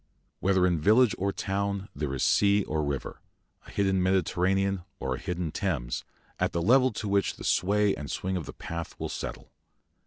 Whether in village or town there is sea or river, a hidden Mediterranean or a hidden Thames, at the level to which the sway and swing of the path will settle.